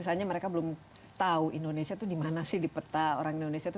misalnya mereka belum tahu indonesia itu di mana sih di peta orang indonesia itu